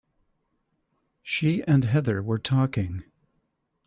She and Heather were talking.